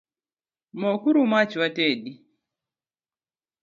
Mok uru mach watedi